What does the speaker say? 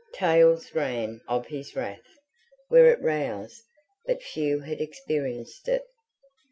Tales ran of his wrath, were it roused; but few had experienced it.